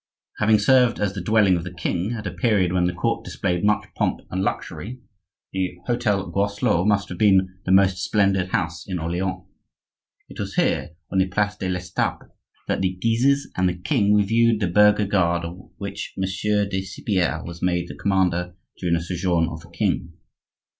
Having served as the dwelling of the king at a period when the court displayed much pomp and luxury, the hotel Groslot must have been the most splendid house in Orleans. It was here, on the place de l'Estape, that the Guises and the king reviewed the burgher guard, of which Monsieur de Cypierre was made the commander during the sojourn of the king.